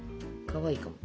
かわいいかも。